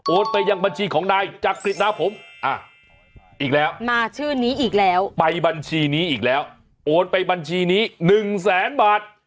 ไปยังบัญชีของนายจักริตนะผมอ่ะอีกแล้วมาชื่อนี้อีกแล้วไปบัญชีนี้อีกแล้วโอนไปบัญชีนี้หนึ่งแสนบาท